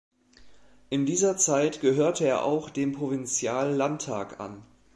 In dieser Zeit gehörte er auch dem Provinziallandtag an.